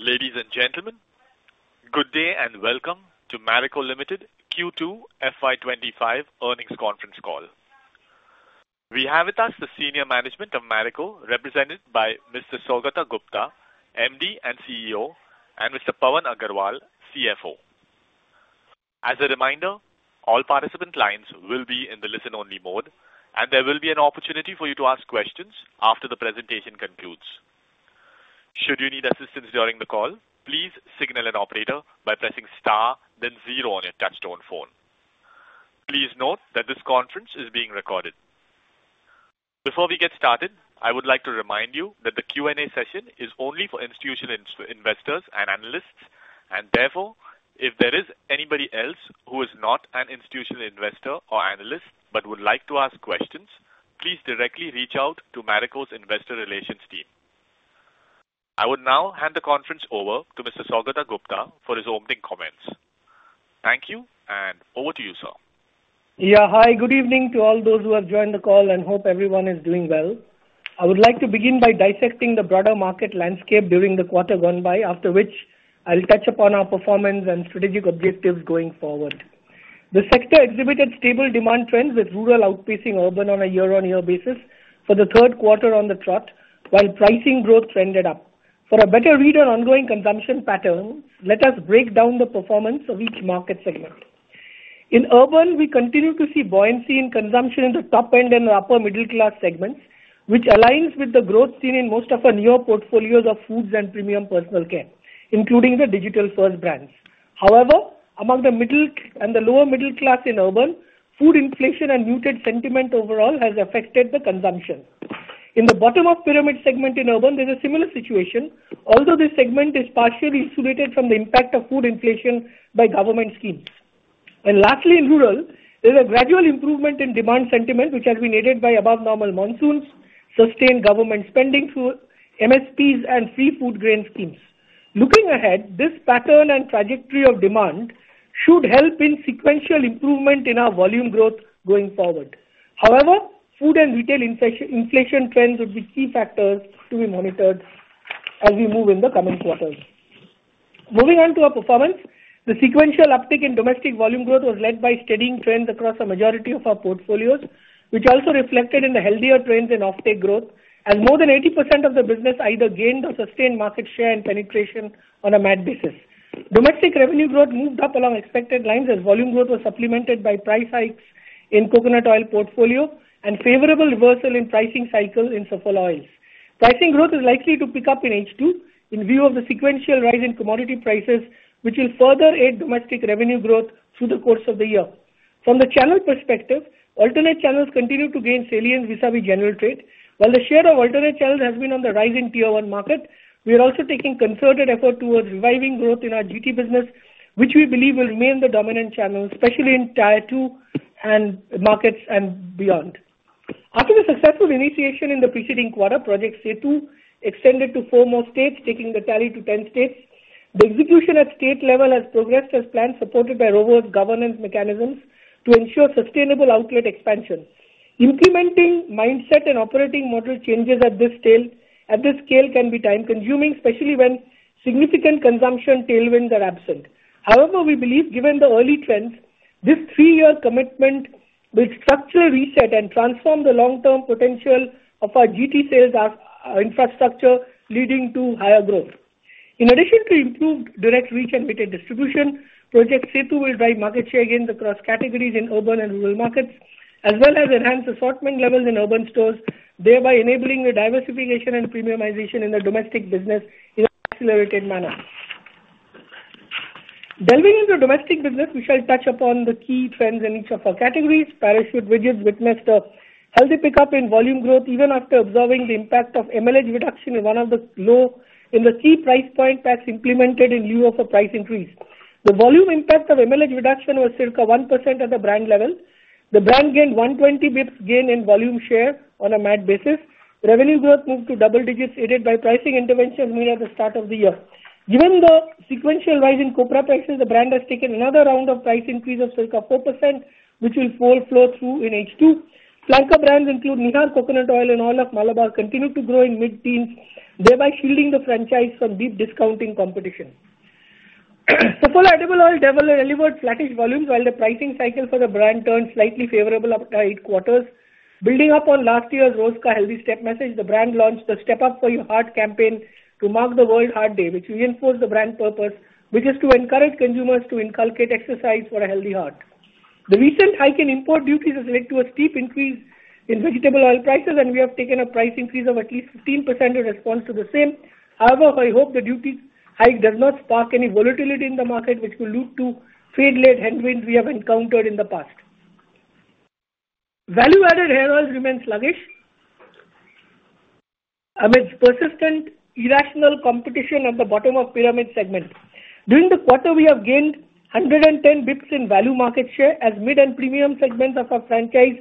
Ladies and gentlemen, good day and welcome to Marico Limited Q2 FY 2025 earnings conference call. We have with us the senior management of Marico, represented by Mr. Saugata Gupta, MD and CEO, and Mr. Pawan Agrawal, CFO. As a reminder, all participant lines will be in the listen-only mode, and there will be an opportunity for you to ask questions after the presentation concludes. Should you need assistance during the call, please signal an operator by pressing star, then zero on your touch-tone phone. Please note that this conference is being recorded. Before we get started, I would like to remind you that the Q&A session is only for institutional investors and analysts, and therefore, if there is anybody else who is not an institutional investor or analyst but would like to ask questions, please directly reach out to Marico's investor relations team. I will now hand the conference over to Mr. Saugata Gupta for his opening comments. Thank you, and over to you, sir. Yeah, hi. Good evening to all those who have joined the call, and hope everyone is doing well. I would like to begin by dissecting the broader market landscape during the quarter gone by, after which I'll touch upon our performance and strategic objectives going forward. The sector exhibited stable demand trends with rural outpacing urban on a year-on-year basis for the third quarter on the trot, while pricing growth trended up. For a better read on ongoing consumption patterns, let us break down the performance of each market segment. In urban, we continue to see buoyancy in consumption in the top-end and upper-middle-class segments, which aligns with the growth seen in most of our newer portfolios of foods and premium personal care, including the digital-first brands. However, among the middle and the lower-middle class in urban, food inflation and muted sentiment overall have affected the consumption. In the bottom-of-pyramid segment in urban, there's a similar situation, although this segment is partially insulated from the impact of food inflation by government schemes. And lastly, in rural, there's a gradual improvement in demand sentiment, which has been aided by above-normal monsoons, sustained government spending through MSPs and free food grain schemes. Looking ahead, this pattern and trajectory of demand should help in sequential improvement in our volume growth going forward. However, food and retail inflation trends would be key factors to be monitored as we move in the coming quarters. Moving on to our performance, the sequential uptake in domestic volume growth was led by steadying trends across a majority of our portfolios, which also reflected in the healthier trends in offtake growth, as more than 80% of the business either gained or sustained market share and penetration on a MAT basis. Domestic revenue growth moved up along expected lines as volume growth was supplemented by price hikes in coconut oil portfolio and favorable reversal in pricing cycle in Saffola oils. Pricing growth is likely to pick up in H2 in view of the sequential rise in commodity prices, which will further aid domestic revenue growth through the course of the year. From the channel perspective, alternate channels continue to gain salience vis-à-vis general trade. While the share of alternate channels has been on the rise in tier-one markets, we are also taking concerted effort towards reviving growth in our GT business, which we believe will remain the dominant channel, especially in tier-two markets and beyond. After the successful initiation in the preceding quarter, Project SETU extended to four more states, taking the tally to 10 states. The execution at state level has progressed as planned, supported by robust governance mechanisms to ensure sustainable outlet expansion. Implementing mindset and operating model changes at this scale can be time-consuming, especially when significant consumption tailwinds are absent. However, we believe, given the early trends, this three-year commitment will structure reset and transform the long-term potential of our GT sales infrastructure, leading to higher growth. In addition to improved direct reach and weighted distribution, Project SETU will drive market share gains across categories in urban and rural markets, as well as enhance assortment levels in urban stores, thereby enabling diversification and premiumization in the domestic business in an accelerated manner. Delving into domestic business, we shall touch upon the key trends in each of our categories. witnessed a healthy pickup in volume growth even after observing the impact of MLH reduction in one of the low-end key price point packs implemented in lieu of a price increase. The volume impact of MLH reduction was circa 1% at the brand level. The brand gained 120 basis points gain in volume share on a MAT basis. Revenue growth moved to double digits, aided by pricing interventions made at the start of the year. Given the sequential rise in copra prices, the brand has taken another round of price increase of circa 4%, which will flow through in H2. Flanker brands including Nihar Coconut Oil and Oil of Malabar continued to grow in mid-teens, thereby shielding the franchise from deep discounting competition. Saffola edible oil delivered flattish volumes while the pricing cycle for the brand turned slightly favorable after eight quarters. Building up on last year's Roz Ka Healthy Step message, the brand launched the Step Up for Your Heart campaign to mark the World Heart Day, which reinforced the brand purpose, which is to encourage consumers to inculcate exercise for a healthy heart. The recent hike in import duties has led to a steep increase in vegetable oil prices, and we have taken a price increase of at least 15% in response to the same. However, I hope the duty hike does not spark any volatility in the market, which will lead to trade-led headwinds we have encountered in the past. Value-added hair oils remain sluggish amidst persistent irrational competition at the bottom-of-pyramid segment. During the quarter, we have gained 110 basis points in value market share as mid and premium segments of our franchise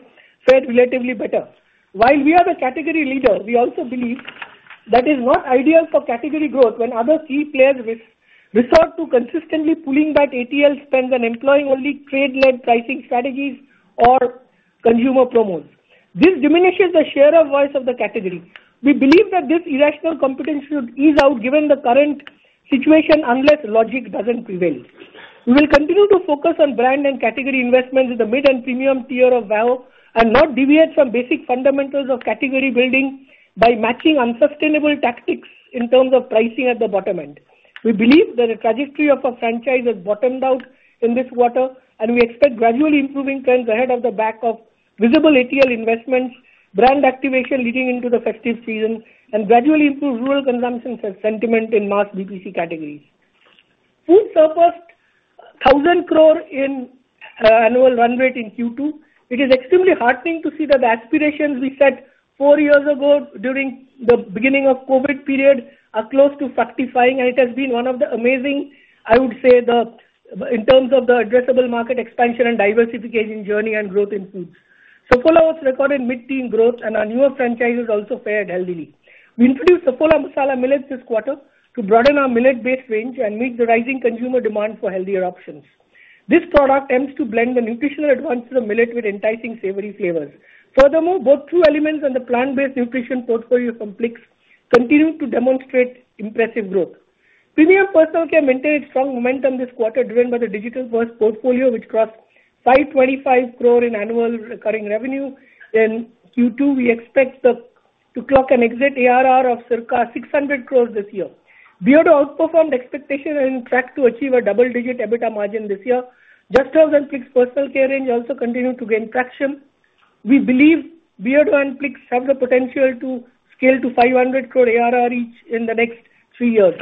fared relatively better. While we are the category leader, we also believe that it is not ideal for category growth when other key players resort to consistently pulling back ATL spends and employing only trade-led pricing strategies or consumer promos. This diminishes the share of oils of the category. We believe that this irrational competition should ease out given the current situation unless logic doesn't prevail. We will continue to focus on brand and category investments in the mid and premium tier of VAHO and not deviate from basic fundamentals of category building by matching unsustainable tactics in terms of pricing at the bottom end. We believe that the trajectory of our franchise has bottomed out in this quarter, and we expect gradually improving trends ahead on the back of visible ATL investments, brand activation leading into the festive season, and gradually improved rural consumption sentiment in mass BPC categories. Foods surpassed 1,000 crore in annual run rate in Q2. It is extremely heartening to see that the aspirations we set four years ago during the beginning of the COVID period are close to fructifying, and it has been one of the amazing, I would say, in terms of the addressable market expansion and diversification journey and growth in foods. Saffola oils recorded mid-teens growth, and our newer franchises also fared healthily. We introduced Saffola Masala Millets this quarter to broaden our millet-based range and meet the rising consumer demand for healthier options. This product aims to blend the nutritional advances of millet with enticing savory flavors. Furthermore, both True Elements and the plant-based nutrition portfolio from Plix continue to demonstrate impressive growth. Premium personal care maintained strong momentum this quarter driven by the digital-first portfolio, which crossed 525 crore in annual recurring revenue. In Q2, we expect to clock an exit ARR of circa 600 crore this year. Beardo outperformed expectations and tracked to achieve a double-digit EBITDA margin this year. Just as Plix personal care range also continued to gain traction, we believe Beardo and Plix have the potential to scale to 500 crore ARR each in the next three years.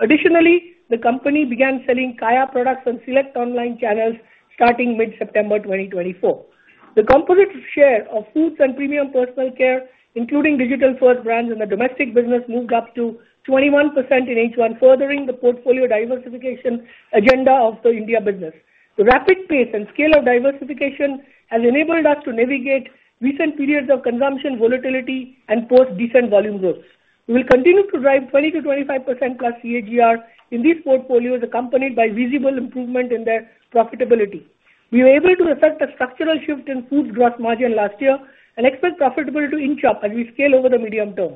Additionally, the company began selling Kaya products on select online channels starting mid-September 2024. The composite share of foods and premium personal care, including digital-first brands in the domestic business, moved up to 21% in H1, furthering the portfolio diversification agenda of the India business. The rapid pace and scale of diversification has enabled us to navigate recent periods of consumption volatility and posted decent volume growth. We will continue to drive 20%-25% plus CAGR in these portfolios, accompanied by visible improvement in their profitability. We were able to assert a structural shift in foods gross margin last year and expect profitability to inch up as we scale over the medium term.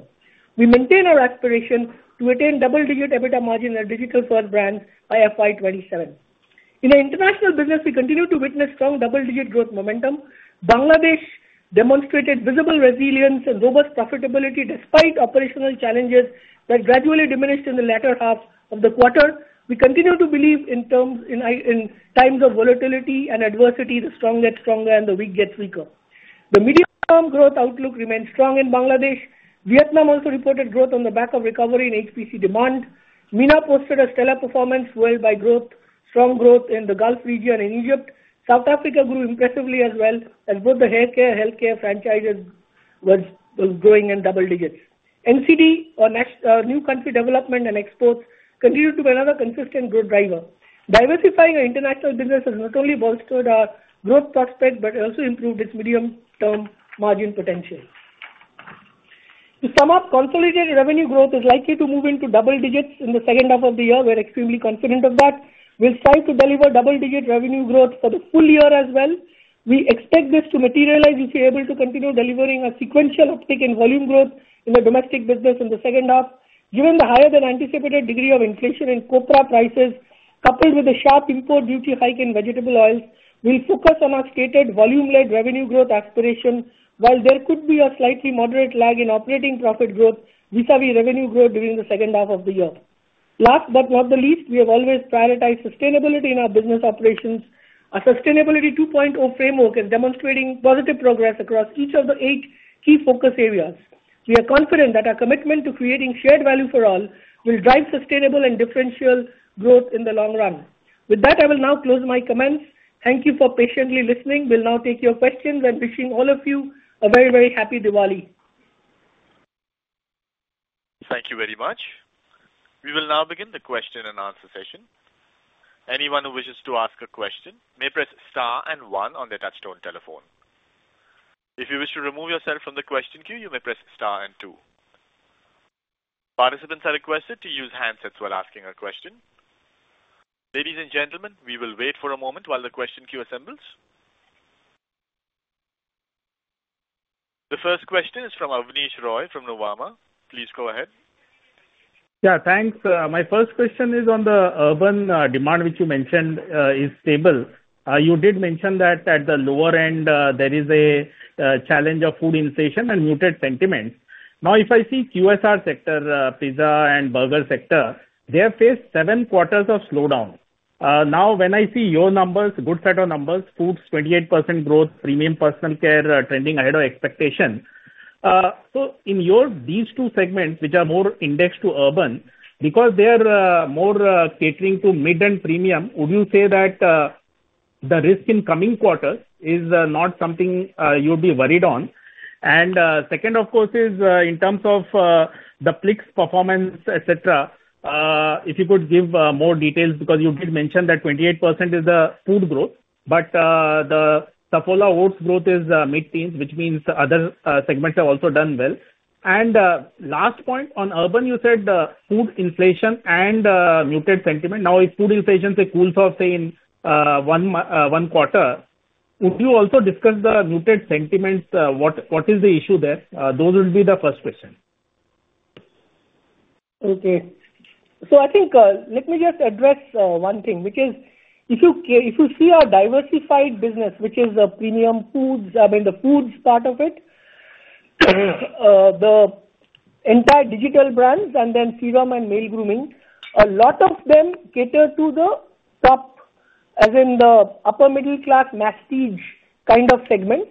We maintain our aspiration to attain double-digit EBITDA margin in digital-first brands by FY 2027. In the international business, we continue to witness strong double-digit growth momentum. Bangladesh demonstrated visible resilience and robust profitability despite operational challenges that gradually diminished in the latter half of the quarter. We continue to believe in times of volatility and adversity. The strong gets stronger and the weak gets weaker. The medium-term growth outlook remains strong in Bangladesh. Vietnam also reported growth on the back of recovery in HPC demand. MENA posted a stellar performance followed by strong growth in the Gulf region and Egypt. South Africa grew impressively as well, as both the haircare and healthcare franchises were growing in double digits. NCD, or New Country Development and Exports, continued to be another consistent growth driver. Diversifying our international business has not only bolstered our growth prospect but also improved its medium-term margin potential. To sum up, consolidated revenue growth is likely to move into double digits in the second half of the year. We are extremely confident of that. We'll strive to deliver double-digit revenue growth for the full year as well. We expect this to materialize if we are able to continue delivering a sequential uptake in volume growth in the domestic business in the second half. Given the higher-than-anticipated degree of inflation in copra prices, coupled with a sharp import duty hike in vegetable oils, we'll focus on our stated volume-led revenue growth aspiration, while there could be a slightly moderate lag in operating profit growth vis-à-vis revenue growth during the second half of the year. Last but not the least, we have always prioritized sustainability in our business operations. Our Sustainability 2.0 framework is demonstrating positive progress across each of the eight key focus areas. We are confident that our commitment to creating shared value for all will drive sustainable and differential growth in the long run. With that, I will now close my comments. Thank you for patiently listening. We'll now take your questions, and wishing all of you a very, very happy Diwali. Thank you very much. We will now begin the question and answer session. Anyone who wishes to ask a question may press star and one on the touch-tone telephone. If you wish to remove yourself from the question queue, you may press star and two. Participants are requested to use handsets while asking a question. Ladies and gentlemen, we will wait for a moment while the question queue assembles. The first question is from Abneesh Roy from Nuvama. Please go ahead. Yeah, thanks. My first question is on the urban demand, which you mentioned is stable. You did mention that at the lower end, there is a challenge of food inflation and muted sentiment. Now, if I see QSR sector, pizza, and burger sector, they have faced seven quarters of slowdown. Now, when I see your numbers, good set of numbers, foods 28% growth, premium personal care trending ahead of expectation. So in these two segments, which are more indexed to urban, because they are more catering to mid and premium, would you say that the risk in coming quarters is not something you would be worried on? And second, of course, is in terms of the Plix performance, etc., if you could give more details, because you did mention that 28% is the food growth, but the Saffola oats growth is mid-teens, which means other segments have also done well. Last point on urban, you said food inflation and muted sentiment. Now, if food inflation cools off in one quarter, would you also discuss the muted sentiments? What is the issue there? Those would be the first question. Okay. So I think let me just address one thing, which is if you see our diversified business, which is the premium foods, I mean, the foods part of it, the entire digital brands, and then serum and male grooming, a lot of them cater to the top, as in the upper-middle-class masstige kind of segments.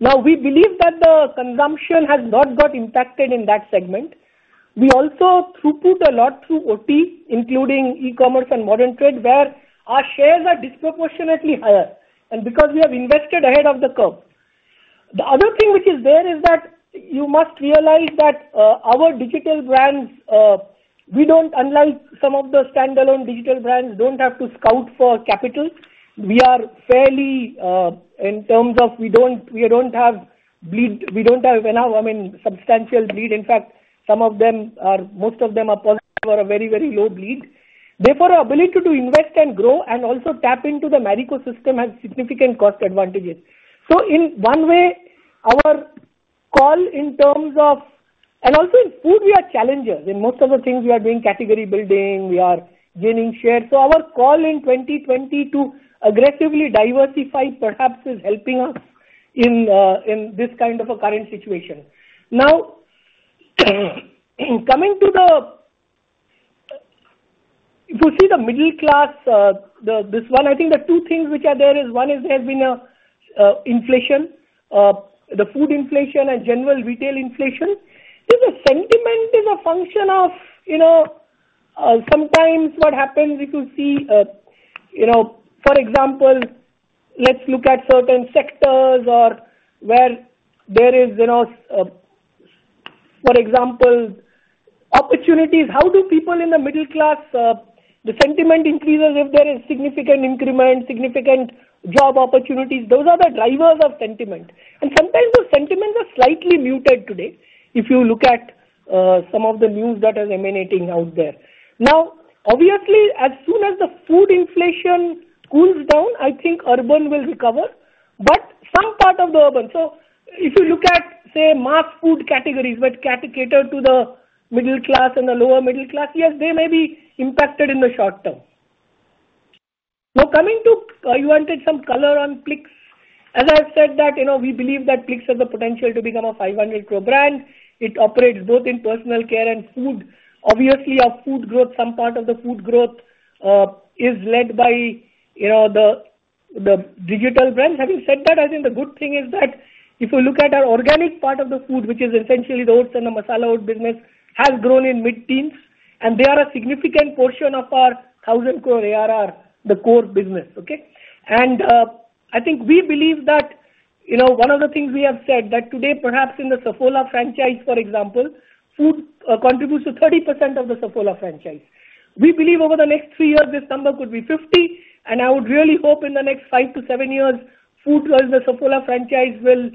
Now, we believe that the consumption has not got impacted in that segment. We also throughput a lot through OT, including e-commerce and modern trade, where our shares are disproportionately higher, and because we have invested ahead of the curve. The other thing which is there is that you must realize that our digital brands, we don't, unlike some of the standalone digital brands, don't have to scout for capital. We are fairly in terms of we don't have bleed; we don't have enough, I mean, substantial bleed. In fact, some of them, most of them are positive or a very, very low bleed. Therefore, our ability to invest and grow and also tap into the Marico system has significant cost advantages. So in one way, our call in terms of, and also in food, we are challengers in most of the things we are doing: category building, we are gaining shares. So our call in 2020 to aggressively diversify perhaps is helping us in this kind of a current situation. Now, coming to the, if you see the middle class, this one, I think the two things which are there is one is there has been inflation, the food inflation and general retail inflation. The sentiment is a function of sometimes what happens if you see, for example, let's look at certain sectors or where there is, for example, opportunities. How do people in the middle class? The sentiment increases if there is significant increment, significant job opportunities. Those are the drivers of sentiment. And sometimes those sentiments are slightly muted today if you look at some of the news that is emanating out there. Now, obviously, as soon as the food inflation cools down, I think urban will recover, but some part of the urban. So if you look at, say, mass food categories that cater to the middle class and the lower middle class, yes, they may be impacted in the short term. Now, coming to, you wanted some color on Plix. As I've said, we believe that Plix has the potential to become a 500 crore brand. It operates both in personal care and food. Obviously, our food growth, some part of the food growth is led by the digital brands. Having said that, I think the good thing is that if you look at our organic part of the food, which is essentially the oats and the masala oat business, has grown in mid-teens, and they are a significant portion of our 1,000 crore ARR, the core business. Okay? And I think we believe that one of the things we have said that today, perhaps in the Saffola franchise, for example, food contributes to 30% of the Saffola franchise. We believe over the next three years, this number could be 50%, and I would really hope in the next five to seven years, food in the Saffola franchise will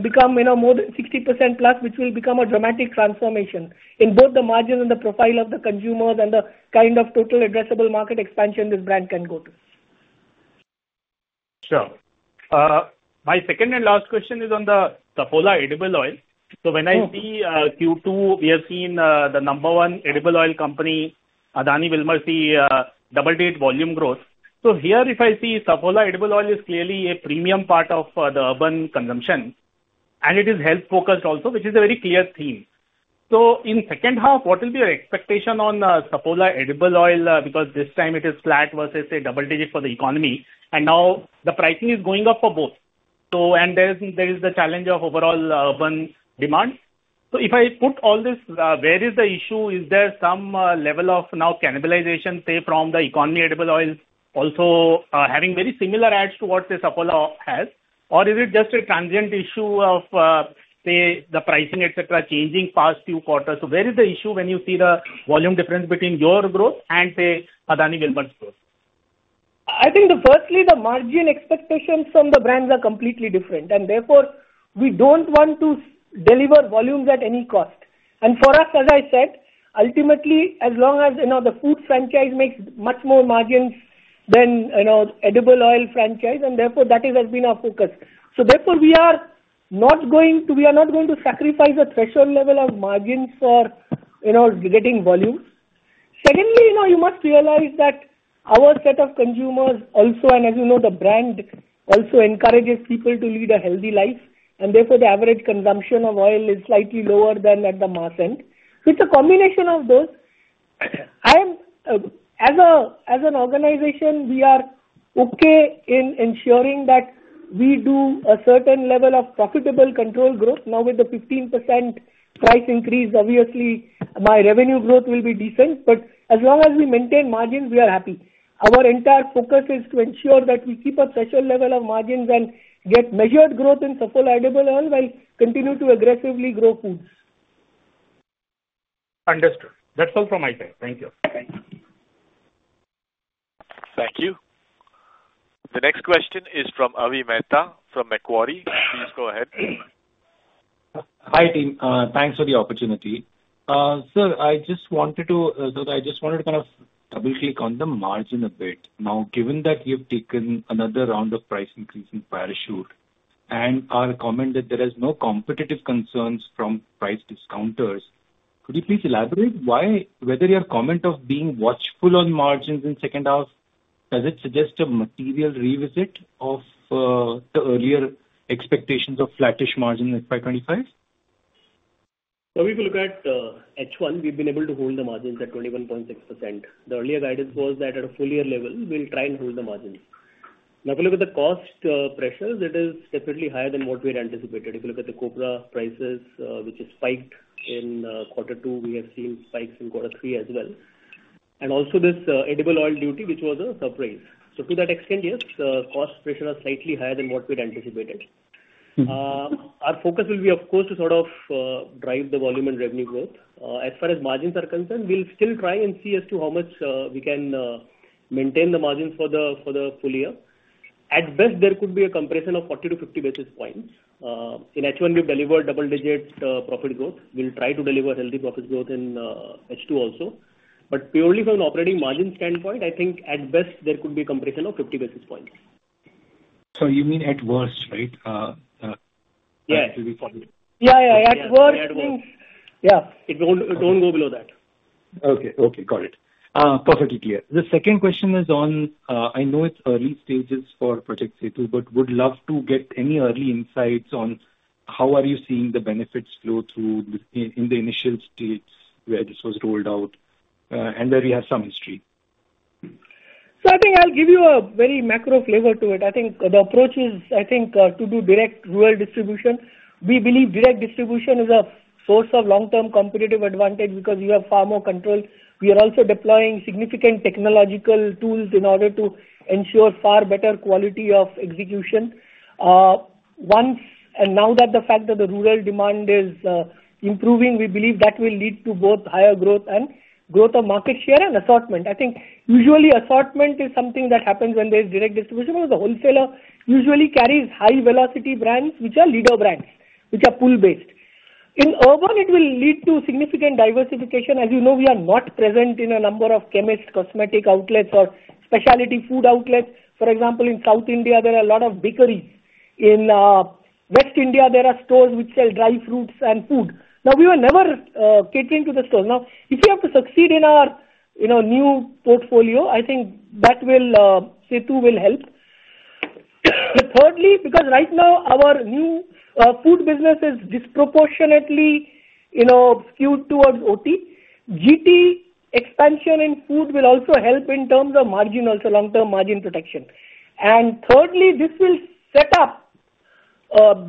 become more than 60% plus, which will become a dramatic transformation in both the margins and the profile of the consumers and the kind of total addressable market expansion this brand can go to. Sure. My second and last question is on the Saffola edible oil. So when I see Q2, we have seen the number one edible oil company, Adani Wilmar, see double-digit volume growth. So here, if I see Saffola edible oil is clearly a premium part of the urban consumption, and it is health-focused also, which is a very clear theme. So in second half, what will be your expectation on Saffola edible oil? Because this time it is flat versus a double-digit for the economy, and now the pricing is going up for both. And there is the challenge of overall urban demand. So if I put all this, where is the issue? Is there some level of now cannibalization, say, from the economy edible oils, also having very similar ads to what the Saffola has, or is it just a transient issue of, say, the pricing, etc., changing past few quarters? So where is the issue when you see the volume difference between your growth and, say, Adani Wilmar's growth? I think firstly, the margin expectations from the brands are completely different, and therefore we don't want to deliver volumes at any cost. And for us, as I said, ultimately, as long as the food franchise makes much more margins than edible oil franchise, and therefore that has been our focus. So therefore, we are not going to sacrifice a threshold level of margins for getting volumes. Secondly, you must realize that our set of consumers also, and as you know, the brand also encourages people to lead a healthy life, and therefore the average consumption of oil is slightly lower than at the mass end. So it's a combination of those. As an organization, we are okay in ensuring that we do a certain level of profitable control growth. Now, with the 15% price increase, obviously, my revenue growth will be decent, but as long as we maintain margins, we are happy. Our entire focus is to ensure that we keep a threshold level of margins and get measured growth in Saffola edible oil while continuing to aggressively grow foods. Understood. That's all from my side. Thank you. Thank you. The next question is from Avi Mehta from Macquarie. Please go ahead. Hi, team. Thanks for the opportunity. Sir, so I just wanted to kind of double-click on the margin a bit. Now, given that you've taken another round of price increase in Parachute and our comment that there are no competitive concerns from price discounters, could you please elaborate whether your comment of being watchful on margins in second half, does it suggest a material revisit of the earlier expectations of flattish margins in 2025? So if you look at H1, we've been able to hold the margins at 21.6%. The earlier guidance was that at a full-year level, we'll try and hold the margins. Now, if you look at the cost pressures, it is definitely higher than what we had anticipated. If you look at the copra prices, which spiked in quarter two, we have seen spikes in quarter three as well. And also this edible oil duty, which was a surprise. So to that extent, yes, cost pressures are slightly higher than what we had anticipated. Our focus will be, of course, to sort of drive the volume and revenue growth. As far as margins are concerned, we'll still try and see as to how much we can maintain the margins for the full year. At best, there could be a compression of 40-50 basis points. In H1, we've delivered double-digit profit growth. We'll try to deliver healthy profit growth in H2 also. But purely from an operating margin standpoint, I think at best there could be a compression of 50 basis points. So you mean at worst, right? Yeah. Yeah, at worst. Yeah, don't go below that. Okay, okay. Got it. Perfectly clear. The second question is on, I know it's early stages for Project SETU, but would love to get any early insights on how are you seeing the benefits flow through in the initial states where this was rolled out, and where we have some history. So I think I'll give you a very macro flavor to it. I think the approach is, I think, to do direct rural distribution. We believe direct distribution is a source of long-term competitive advantage because you have far more control. We are also deploying significant technological tools in order to ensure far better quality of execution. And now that the fact that the rural demand is improving, we believe that will lead to both higher growth and growth of market share and assortment. I think usually assortment is something that happens when there is direct distribution, or the wholesaler usually carries high-velocity brands, which are leader brands, which are pool-based. In urban, it will lead to significant diversification. As you know, we are not present in a number of chemists, cosmetic outlets, or specialty food outlets. For example, in South India, there are a lot of bakeries. In West India, there are stores which sell dry fruits and food. Now, we were never catering to the stores. Now, if you have to succeed in our new portfolio, I think that will SETU will help. Thirdly, because right now our new food business is disproportionately skewed towards OT, GT expansion in food will also help in terms of margin, also long-term margin protection. And thirdly, this will set up,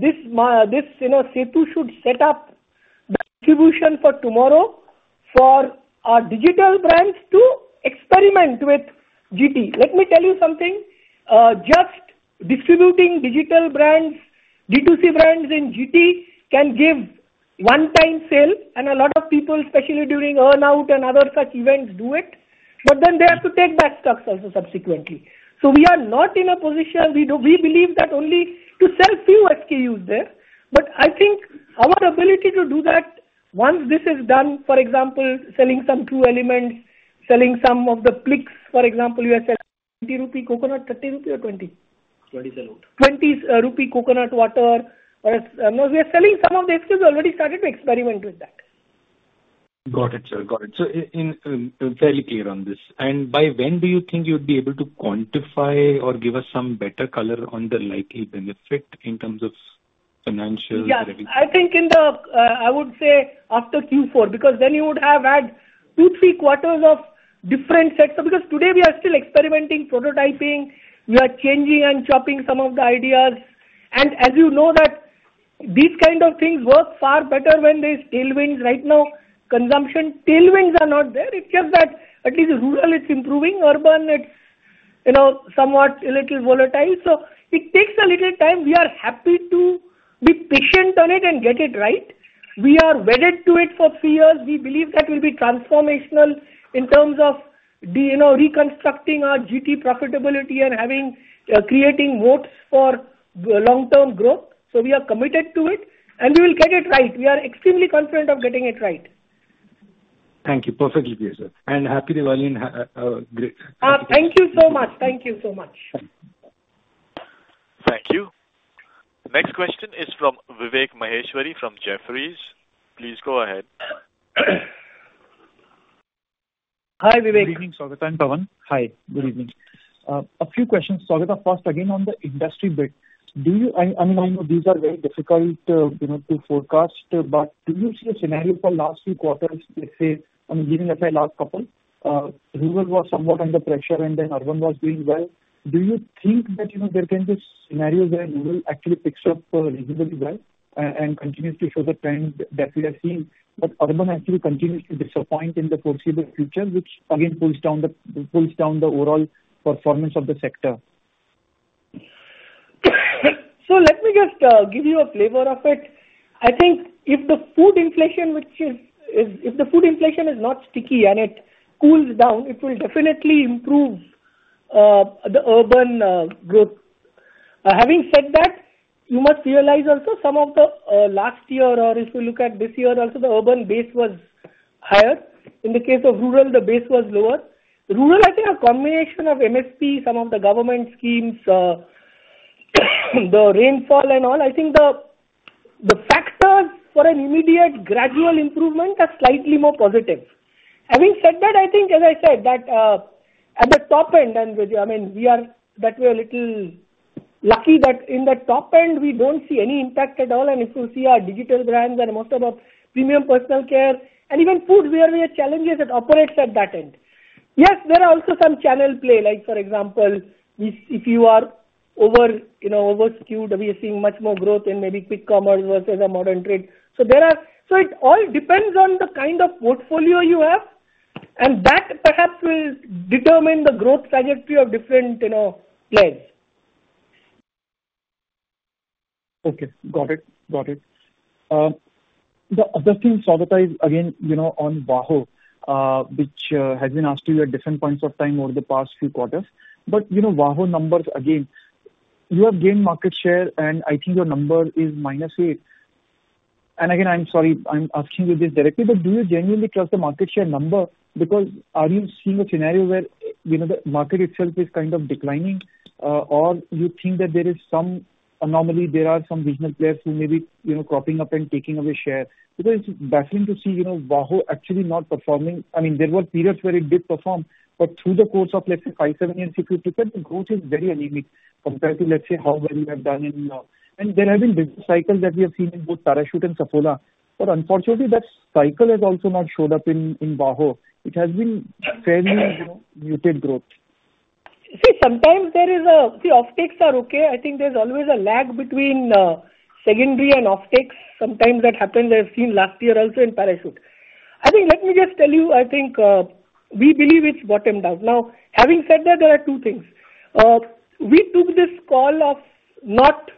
this SETU should set up the distribution for tomorrow for our digital brands to experiment with GT. Let me tell you something. Just distributing digital brands, D2C brands in GT can give one-time sales, and a lot of people, especially during earnout and other such events, do it. But then they have to take back stocks also subsequently. So we are not in a position. We believe that only to sell few SKUs there. But I think our ability to do that once this is done, for example, selling some True Elements, selling some of the Plix, for example, you have said INR 20 coconut, 30 rupee or 20? 20 sell out. 20 rupee coconut water. Now, we are selling some of the SKUs. We already started to experiment with that. Got it, sir. Got it. So fairly clear on this. And by when do you think you'd be able to quantify or give us some better color on the likely benefit in terms of financial revenue? Yeah, I think in the, I would say after Q4, because then you would have had two, three quarters of different sets. So because today we are still experimenting, prototyping, we are changing and chopping some of the ideas. And as you know, these kind of things work far better when there's tailwinds. Right now, consumption tailwinds are not there. It's just that at least rural, it's improving. Urban, it's somewhat a little volatile. So it takes a little time. We are happy to be patient on it and get it right. We are wedded to it for three years. We believe that will be transformational in terms of reconstructing our GT profitability and creating moats for long-term growth. So we are committed to it, and we will get it right. We are extremely confident of getting it right. Thank you. Perfectly clear, sir, and happy New Year. Thank you so much. Thank you so much. Thank you. Next question is from Vivek Maheshwari from Jefferies. Please go ahead. Hi, Vivek. Good evening, Saugata and Pawan. Hi, good evening. A few questions. Saugata, first again on the industry bit. I mean, I know these are very difficult to forecast, but do you see a scenario for last few quarters, let's say, I mean, given the last couple, rural was somewhat under pressure and then urban was doing well? Do you think that there can be a scenario where rural actually picks up reasonably well and continues to show the trend that we are seeing, but urban actually continues to disappoint in the foreseeable future, which again pulls down the overall performance of the sector? So let me just give you a flavor of it. I think if the food inflation, which is, if the food inflation is not sticky and it cools down, it will definitely improve the urban growth. Having said that, you must realize also some of the last year, or if we look at this year, also the urban base was higher. In the case of rural, the base was lower. Rural, I think a combination of MSP, some of the government schemes, the rainfall and all, I think the factors for an immediate gradual improvement are slightly more positive. Having said that, I think, as I said, that at the top end, and I mean, we are a little lucky that in the top end, we don't see any impact at all. And if you see our digital brands and most of our premium personal care and even food, where we have challenges, it operates at that end. Yes, there are also some channel play, like for example, if you are over-skewed, we are seeing much more growth in maybe Quick Commerce versus a modern trade. So it all depends on the kind of portfolio you have, and that perhaps will determine the growth trajectory of different players. Okay. Got it. Got it. The other thing, Saugata, is again on VAHO, which has been asked to you at different points of time over the past few quarters. But VAHO numbers, again, you have gained market share, and I think your number is minus eight. And again, I'm sorry, I'm asking you this directly, but do you genuinely trust the market share number? Because are you seeing a scenario where the market itself is kind of declining, or do you think that there is some anomaly? There are some regional players who may be cropping up and taking away share. Because it's baffling to see VAHO actually not performing. I mean, there were periods where it did perform, but through the course of, let's say, five, seven years, if you look at the growth, it's very anemic compared to, let's say, how well you have done in. And there have been business cycles that we have seen in both Parachute and Saffola. But unfortunately, that cycle has also not showed up in VAHO. It has been fairly muted growth. See, sometimes there is a see, offtake is okay. I think there's always a lag between secondary and offtake. Sometimes that happens. I've seen last year also in Parachute. I think let me just tell you, I think we believe it's bottomed out. Now, having said that, there are two things. We took this call of not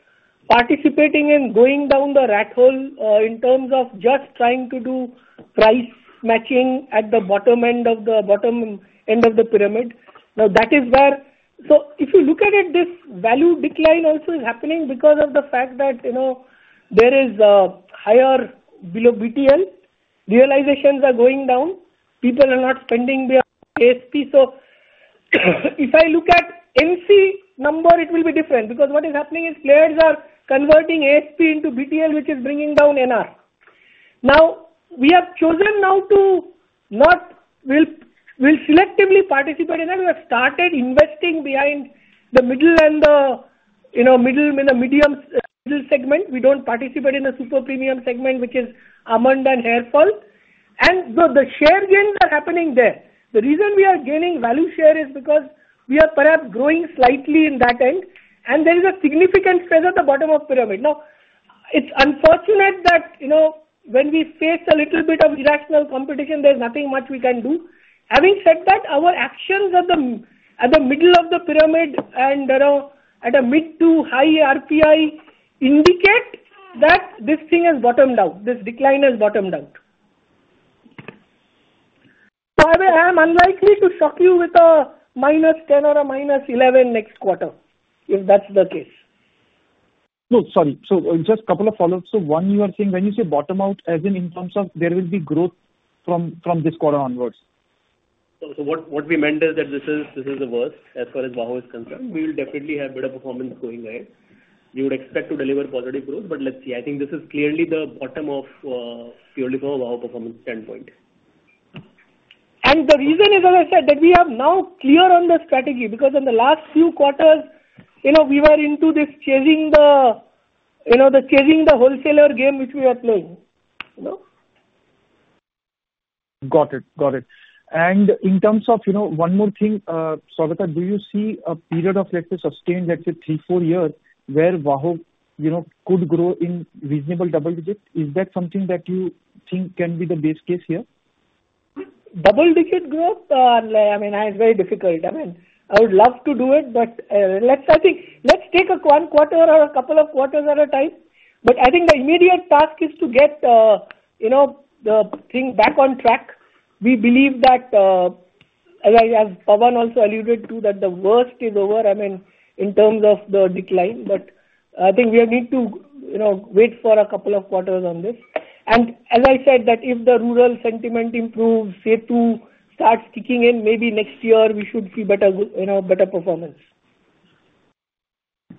participating in going down the rat hole in terms of just trying to do price matching at the bottom end of the bottom end of the pyramid. Now, that is where, so if you look at it, this value decline also is happening because of the fact that there is a higher below BTL. Realizations are going down. People are not spending beyond ASP. So if I look at NC number, it will be different. Because what is happening is players are converting ASP into BTL, which is bringing down NR. Now, we have chosen not to, we'll selectively participate in that. We have started investing behind the middle and the premium middle segment. We don't participate in the super premium segment, which is amla and hairfall. And so the share gains are happening there. The reason we are gaining value share is because we are perhaps growing slightly in that end, and there is a significant space at the bottom of the pyramid. Now, it's unfortunate that when we face a little bit of irrational competition, there's nothing much we can do. Having said that, our actions at the middle of the pyramid and at a mid to high RPI indicate that this thing has bottomed out. This decline has bottomed out. So I am unlikely to shock you with a -10 or a -11 next quarter, if that's the case. No, sorry. So just a couple of follow-ups. So one, you are saying when you say bottom out, as in in terms of there will be growth from this quarter onwards? What we meant is that this is the worst as far as VAHO is concerned. We will definitely have better performance going ahead. You would expect to deliver positive growth, but let's see. I think this is clearly the bottom of purely from a VAHO performance standpoint. And the reason is, as I said, that we are now clear on the strategy. Because in the last few quarters, we were into this chasing the wholesaler game, which we are playing. Got it. Got it. And in terms of one more thing, Saugata, do you see a period of, let's say, sustained, let's say, three, four years where VAHO could grow in reasonable double digits? Is that something that you think can be the base case here? Double-digit growth? I mean, it's very difficult. I mean, I would love to do it, but let's take one quarter or a couple of quarters at a time. But I think the immediate task is to get the thing back on track. We believe that, as Pawan also alluded to, that the worst is over, I mean, in terms of the decline. But I think we need to wait for a couple of quarters on this. And as I said, that if the rural sentiment improves, SETU starts kicking in, maybe next year we should see better performance.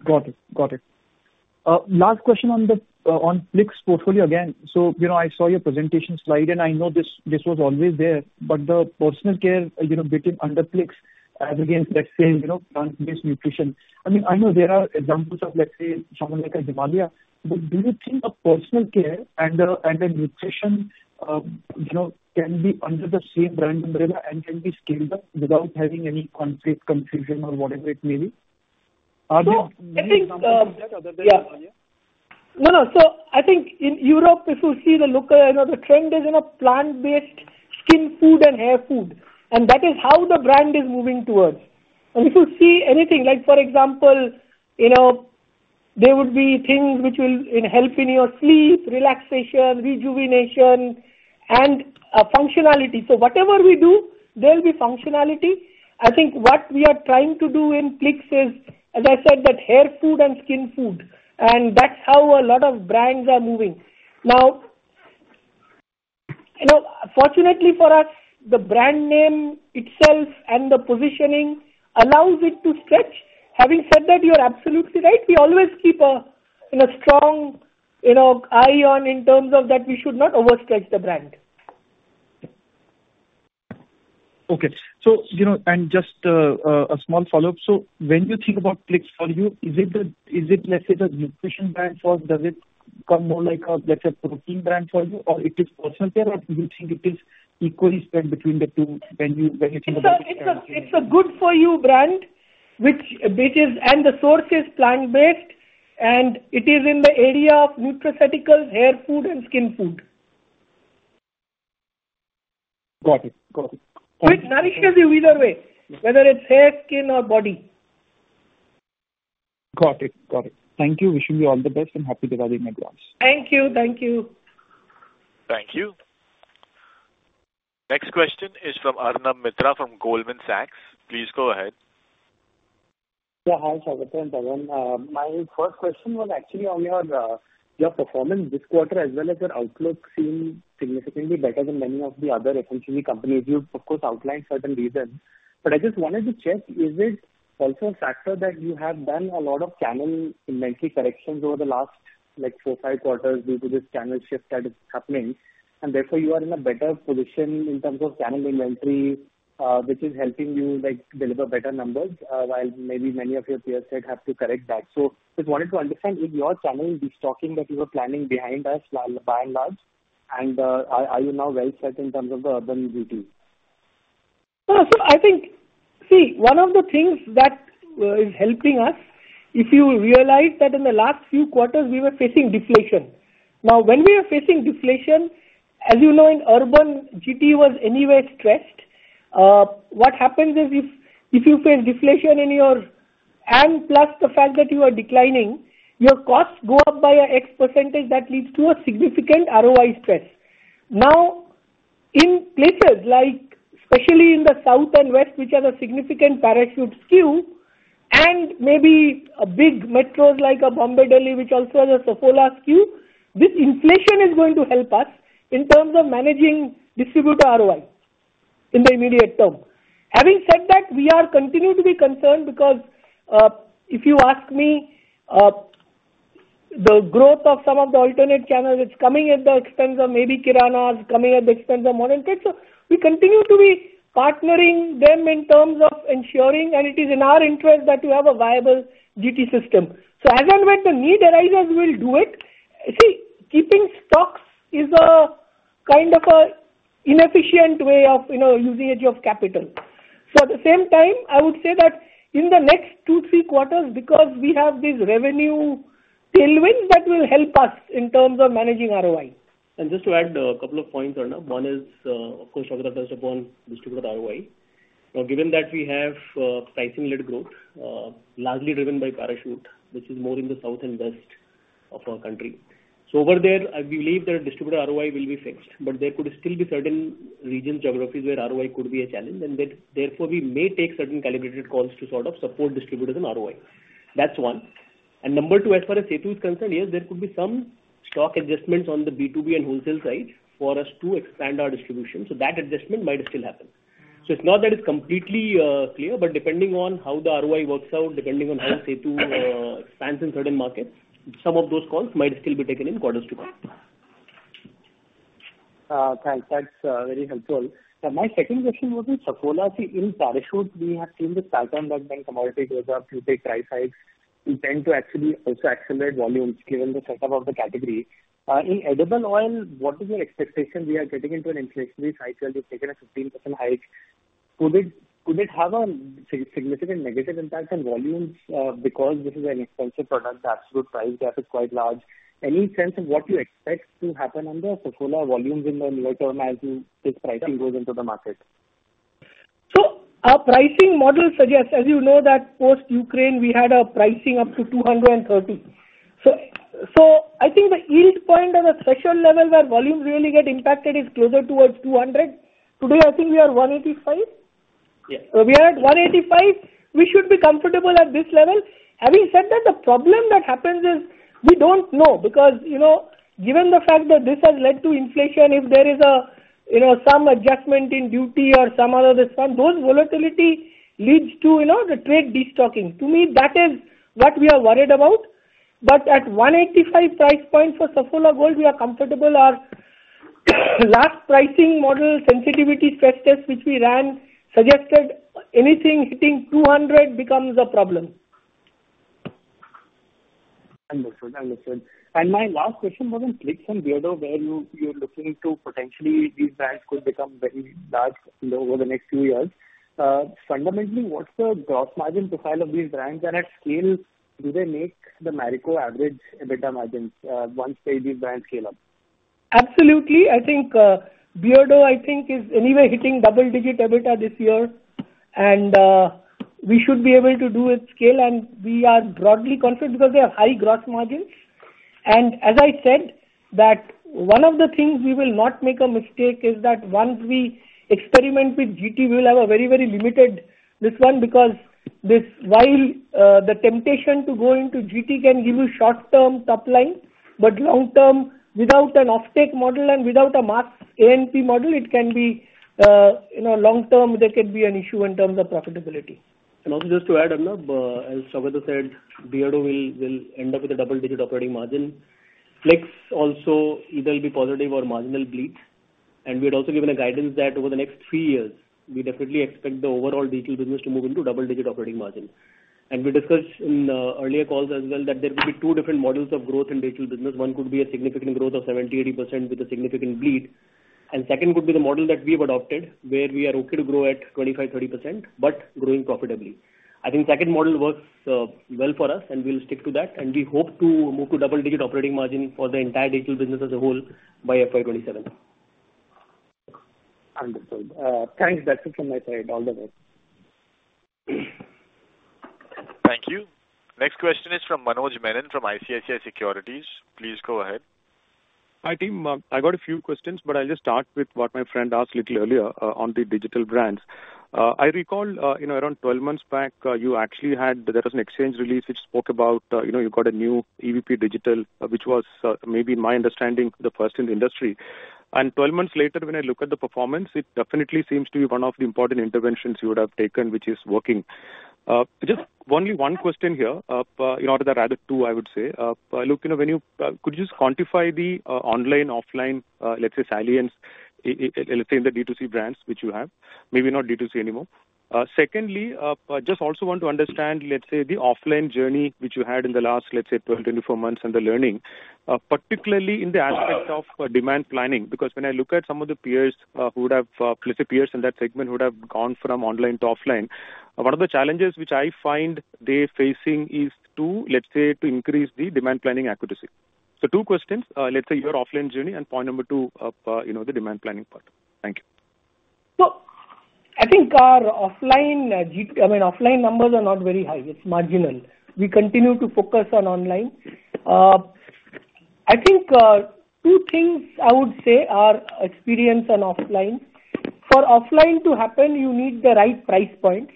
Got it. Got it. Last question on Plix portfolio again. So I saw your presentation slide, and I know this was always there, but the personal care bit under Plix as against, let's say, plant-based nutrition. I mean, I know there are examples of, let's say, someone like a Himalaya. But do you think a personal care and a nutrition can be under the same brand umbrella and can be scaled up without having any conflict confusion or whatever it may be? Are there many examples of that other than Himalaya? No, no. So I think in Europe, if you see the look, the trend is plant-based skin food and hair food. And that is how the brand is moving towards. And if you see anything, like for example, there would be things which will help in your sleep, relaxation, rejuvenation, and functionality. So whatever we do, there will be functionality. I think what we are trying to do in Plix is, as I said, that hair food and skin food. And that's how a lot of brands are moving. Now, fortunately for us, the brand name itself and the positioning allows it to stretch. Having said that, you are absolutely right. We always keep a strong eye on in terms of that we should not overstretch the brand. Okay. And just a small follow-up. So when you think about Plix for you, is it, let's say, the nutrition brand first? Does it come more like a, let's say, protein brand for you, or it is personal care? Or do you think it is equally spread between the two when you think about it? It's a good-for-you brand, which is, and the source is plant-based, and it is in the area of nutraceuticals, hair food, and skin food. Got it. Got it. It nourishes you either way, whether it's hair, skin, or body. Got it. Got it. Thank you. Wishing you all the best and happy Diwali everyone. Thank you. Thank you. Thank you. Next question is from Arnab Mitra from Goldman Sachs. Please go ahead. Yeah, hi, Saugata. My first question was actually on your performance this quarter, as well as your outlook seemed significantly better than many of the other FMCG companies. You, of course, outlined certain reasons. But I just wanted to check, is it also a factor that you have done a lot of channel inventory corrections over the last four, five quarters due to this channel shift that is happening? And therefore, you are in a better position in terms of channel inventory, which is helping you deliver better numbers, while maybe many of your peers said have to correct that. So just wanted to understand, is your channel restocking that you were planning behind us by and large? And are you now well set in terms of the urban beauty? So I think, see, one of the things that is helping us, if you realize that in the last few quarters, we were facing deflation. Now, when we are facing deflation, as you know, in urban, GT was anyway stressed. What happens is if you face deflation in your, and plus the fact that you are declining, your costs go up by an X percentage. That leads to a significant ROI stress. Now, in places like, especially in the south and west, which are a significant Parachute skew, and maybe a big metro like Bombay-Delhi, which also has a Saffola skew, this inflation is going to help us in terms of managing distributor ROI in the immediate term. Having said that, we continue to be concerned because if you ask me, the growth of some of the alternate channels is coming at the expense of maybe kirana, is coming at the expense of modern trade. So we continue to be partnering them in terms of ensuring, and it is in our interest that you have a viable GT system. So as and when the need arises, we will do it. See, keeping stocks is a kind of an inefficient way of using capital. So at the same time, I would say that in the next two, three quarters, because we have these revenue tailwinds that will help us in terms of managing ROI. Just to add a couple of points, Arnab. One is, of course, Saugata touched upon distributor ROI. Now, given that we have pricing-led growth, largely driven by Parachute, which is more in the south and west of our country. So over there, we believe that distributor ROI will be fixed. But there could still be certain regions, geographies where ROI could be a challenge. And therefore, we may take certain calibrated calls to sort of support distributors in ROI. That's one. And number two, as far as SETU is concerned, yes, there could be some stock adjustments on the B2B and wholesale side for us to expand our distribution. So that adjustment might still happen. So it's not that it's completely clear, but depending on how the ROI works out, depending on how SETU expands in certain markets, some of those calls might still be taken in quarters to come. Thanks. That's very helpful. My second question was in Saffola. In Parachute, we have seen this pattern that when commodity goes up, you take price hikes, you tend to actually also accelerate volumes given the setup of the category. In edible oil, what is your expectation? We are getting into an inflationary cycle. You've taken a 15% hike. Could it have a significant negative impact on volumes? Because this is an expensive product, the absolute price gap is quite large. Any sense of what you expect to happen under Saffola volumes in the near term as this pricing goes into the market? Our pricing model suggests, as you know, that post-Ukraine, we had a pricing up to 230. I think the yield point on a threshold level where volumes really get impacted is closer towards 200. Today, I think we are 185. We are at 185. We should be comfortable at this level. Having said that, the problem that happens is we don't know. Because given the fact that this has led to inflation, if there is some adjustment in duty or some other response, those volatility leads to the trade destocking. To me, that is what we are worried about. But at 185 price point for Saffola Gold, we are comfortable. Our last pricing model sensitivity stress test, which we ran, suggested anything hitting 200 becomes a problem. Understood. Understood. And my last question was in Plix and Beardo, where you're looking to potentially these brands could become very large over the next few years. Fundamentally, what's the gross margin profile of these brands? And at scale, do they make the Marico average EBITDA margins once these brands scale up? Absolutely. I think Beardo, I think, is anyway hitting double-digit EBITDA this year. And we should be able to do its scale. And we are broadly confident because they have high gross margins. And as I said, one of the things we will not make a mistake is that once we experiment with GT, we will have a very, very limited this one. Because while the temptation to go into GT can give you short-term top line, but long-term, without an offtake model and without a mass A&P model, it can be long-term, there can be an issue in terms of profitability. And also just to add, Arnab, as Saugata said, Beardo will end up with a double-digit operating margin. Plix also, either will be positive or margin will bleed. And we had also given a guidance that over the next three years, we definitely expect the overall digital business to move into double-digit operating margin. And we discussed in earlier calls as well that there could be two different models of growth in digital business. One could be a significant growth of 70%-80% with a significant bleed. And second could be the model that we have adopted, where we are okay to grow at 25%-30%, but growing profitably. I think the second model works well for us, and we'll stick to that. And we hope to move to double-digit operating margin for the entire digital business as a whole by FY 2027. Understood. Thanks. That's it from my side. All the best. Thank you. Next question is from Manoj Menon from ICICI Securities. Please go ahead. Hi, team. I got a few questions, but I'll just start with what my friend asked a little earlier on the digital brands. I recall around 12 months back, you actually had there was an exchange release which spoke about you got a new EVP digital, which was maybe, in my understanding, the first in the industry. And 12 months later, when I look at the performance, it definitely seems to be one of the important interventions you would have taken, which is working. Just only one question here, or rather two, I would say. Look, could you just quantify the online, offline, let's say, salience, let's say, in the D2C brands which you have? Maybe not D2C anymore. Secondly, just also want to understand, let's say, the offline journey which you had in the last, let's say, 12, 24 months and the learning, particularly in the aspect of demand planning. Because when I look at some of the peers who would have, let's say, peers in that segment who would have gone from online to offline, one of the challenges which I find they're facing is to, let's say, to increase the demand planning accuracy. So two questions. Let's say your offline journey and point number two, the demand planning part. Thank you. I think our offline numbers are not very high. It's marginal. We continue to focus on online. I think two things I would say are experience and offline. For offline to happen, you need the right price points.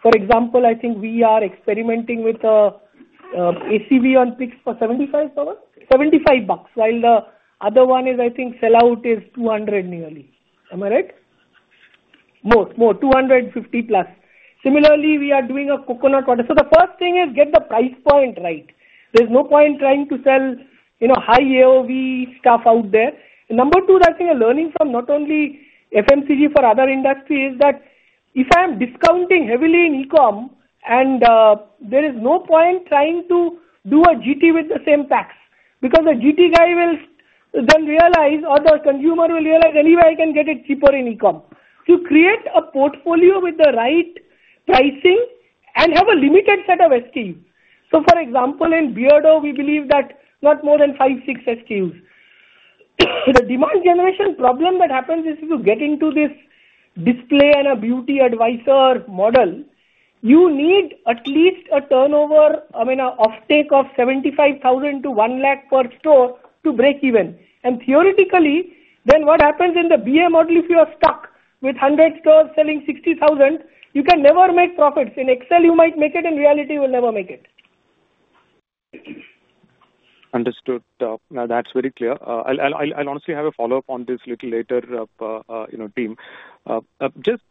For example, I think we are experimenting with ACV on Plix for INR 75, while the other one is, I think, sellout is nearly INR 200. Am I right? More, more, 250 plus. Similarly, we are doing a coconut water. The first thing is get the price point right. There's no point trying to sell high AOV stuff out there. Number two that we are learning from not only FMCG for other industry is that if I'm discounting heavily in e-com, and there is no point trying to do a GT with the same tax. Because the GT guy will then realize, or the consumer will realize, anyway, I can get it cheaper in e-com. To create a portfolio with the right pricing and have a limited set of SKUs. So for example, in Beardo, we believe that not more than five, six SKUs. The demand generation problem that happens is if you get into this display and a beauty advisor model, you need at least a turnover, I mean, an offtake of 75,000 to 1 lakh per store to break even. And theoretically, then what happens in the BA model? If you are stuck with 100 stores selling 60,000, you can never make profits. In Excel, you might make it. In reality, you will never make it. Understood. That's very clear. I'll honestly have a follow-up on this a little later, team.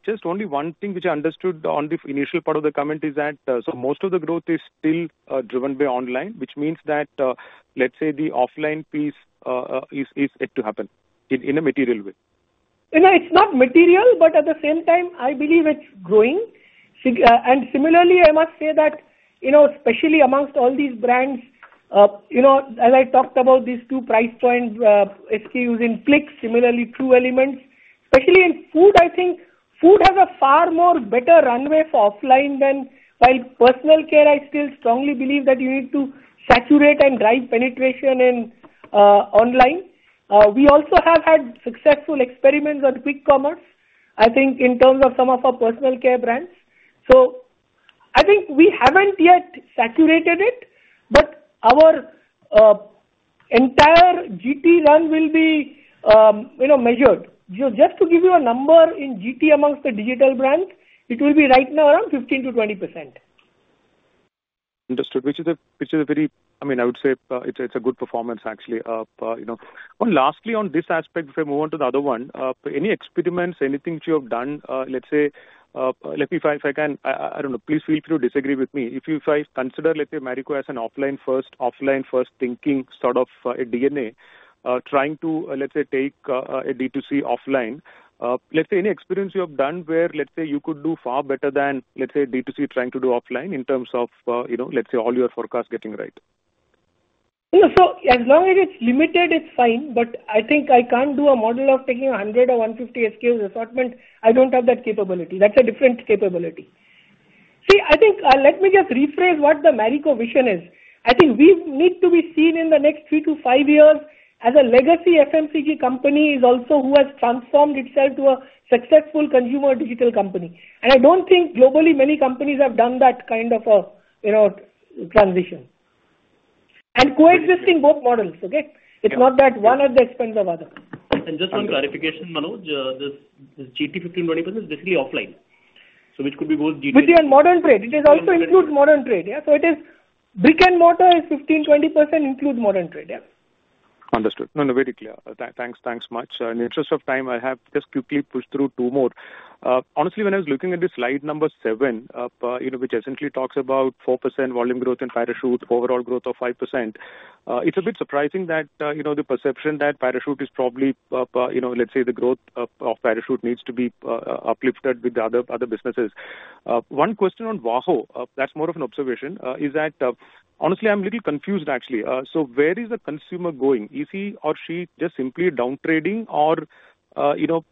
Just only one thing which I understood on the initial part of the comment is that most of the growth is still driven by online, which means that, let's say, the offline piece is yet to happen in a material way. It's not material, but at the same time, I believe it's growing. And similarly, I must say that especially amongst all these brands, as I talked about these two price point SKUs in Plix, similarly, True Elements. Especially in food, I think food has a far more better runway for offline than while personal care, I still strongly believe that you need to saturate and drive penetration in online. We also have had successful experiments at Quick Commerce, I think, in terms of some of our personal care brands. So I think we haven't yet saturated it, but our entire GT run will be measured. Just to give you a number in GT amongst the digital brands, it will be right now around 15%-20%. Understood. Which is a very, I mean, I would say it's a good performance, actually. Lastly, on this aspect, before I move on to the other one, any experiments, anything which you have done, let's say, if I can, I don't know, please feel free to disagree with me. If I consider, let's say, Marico as an offline-first thinking sort of a DNA, trying to, let's say, take a D2C offline, let's say, any experience you have done where, let's say, you could do far better than, let's say, D2C trying to do offline in terms of, let's say, all your forecasts getting right? So as long as it's limited, it's fine. But I think I can't do a model of taking 100 or 150 SKUs assortment. I don't have that capability. That's a different capability. See, I think let me just rephrase what the Marico vision is. I think we need to be seen in the next three to five years as a legacy FMCG company also who has transformed itself to a successful consumer digital company. And I don't think globally many companies have done that kind of a transition. And coexisting both models, okay? It's not that one at the expense of others. And just one clarification, Manoj, this GT 15%-20% is basically offline. So which could be both GT and? With your modern trade. It also includes modern trade. Yeah. So it is brick and mortar is 15%-20% includes modern trade. Yeah. Understood. No, no, very clear. Thanks much. In the interest of time, I have just quickly pushed through two more. Honestly, when I was looking at this slide number seven, which essentially talks about 4% volume growth in Parachute, overall growth of 5%, it's a bit surprising that the perception that Parachute is probably, let's say, the growth of Parachute needs to be uplifted with other businesses. One question on VAHO, that's more of an observation, is that honestly, I'm a little confused, actually. So where is the consumer going? Is he or she just simply downtrading,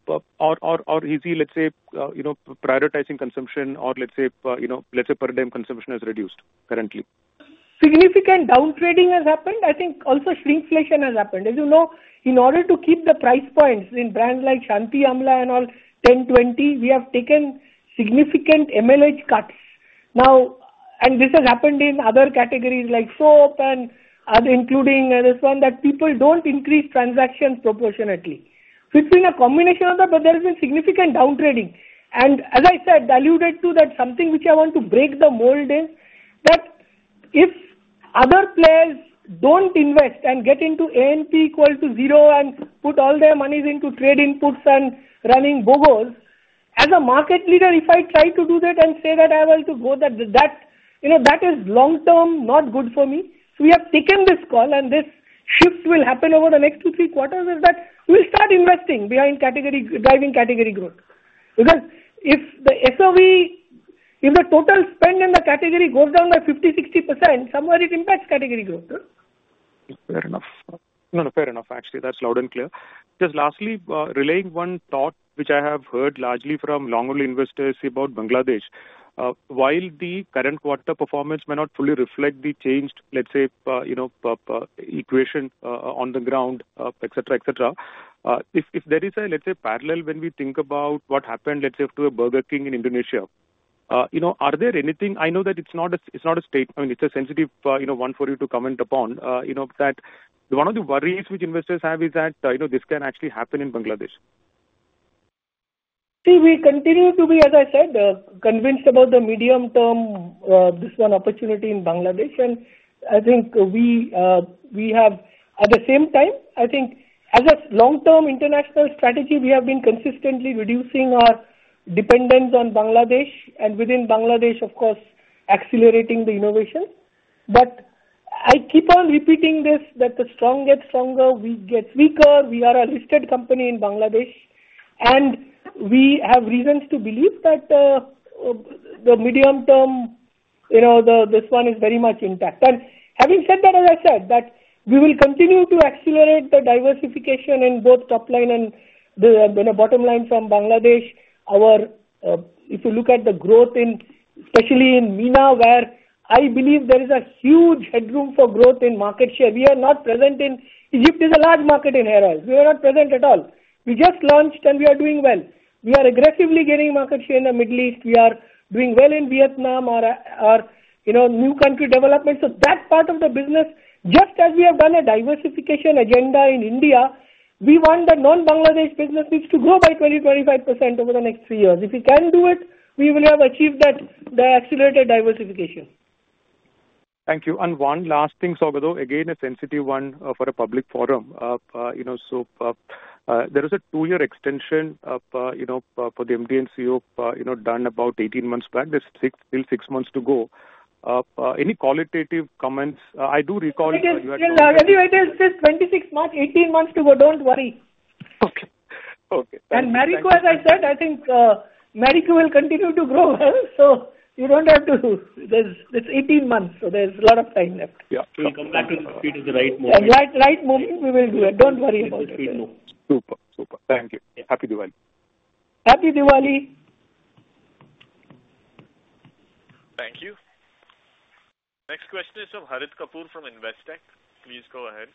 or is he, let's say, prioritizing consumption, or let's say, let's say, per diem consumption has reduced currently? Significant downtrading has happened. I think also shrinkflation has happened. As you know, in order to keep the price points in brands like Shanti Amla and all 10, 20, we have taken significant MLH cuts. Now, and this has happened in other categories like soap and including this one that people don't increase transactions proportionately. So it's been a combination of that, but there has been significant downtrading. And as I said, I alluded to that something which I want to break the mold is that if other players don't invest and get into A&P equal to zero and put all their monies into trade inputs and running BOGOs, as a market leader, if I try to do that and say that I will go that that is long-term not good for me. So we have taken this call, and this shift will happen over the next two, three quarters in that we'll start investing behind category driving category growth. Because if the SOV, if the total spend in the category goes down by 50%-60%, somewhere it impacts category growth. Fair enough. No, no, fair enough, actually. That's loud and clear. Just lastly, relaying one thought which I have heard largely from long-haul investors about Bangladesh. While the current quarter performance may not fully reflect the changed, let's say, equation on the ground, etc., etc., if there is a, let's say, parallel when we think about what happened, let's say, to a Burger King in Indonesia, are there anything I know that it's not a statement, I mean, it's a sensitive one for you to comment upon, that one of the worries which investors have is that this can actually happen in Bangladesh? See, we continue to be, as I said, convinced about the medium-term this one opportunity in Bangladesh. And I think we have, at the same time, I think, as a long-term international strategy, we have been consistently reducing our dependence on Bangladesh. And within Bangladesh, of course, accelerating the innovation. But I keep on repeating this that the strong gets stronger, weak gets weaker. We are a listed company in Bangladesh. And we have reasons to believe that the medium-term, this one is very much intact. And having said that, as I said, that we will continue to accelerate the diversification in both top line and bottom line from Bangladesh. If you look at the growth in, especially in MENA, where I believe there is a huge headroom for growth in market share, we are not present in Egypt is a large market in hair oils. We are not present at all. We just launched, and we are doing well. We are aggressively gaining market share in the Middle East. We are doing well in Vietnam or new country development. So that part of the business, just as we have done a diversification agenda in India, we want the non-Bangladesh business needs to grow by 20%-25% over the next three years. If we can do it, we will have achieved that accelerated diversification. Thank you. And one last thing, Saugata, again, a sensitive one for a public forum. So there was a two-year extension for the MD and CEO done about 18 months back. There's still six months to go. Any qualitative comments? I do recall that you had. It is still just 26 months, 18 months to go. Don't worry. Okay. Okay. Marico, as I said, I think Marico will continue to grow well. You don't have to, there's 18 months. There's a lot of time left. Yeah. We'll come back to the right moment. Right moment, we will do it. Don't worry about it. Super. Super. Thank you. Happy Diwali. Happy Diwali. Thank you. Next question is from Harit Kapoor from Investec. Please go ahead.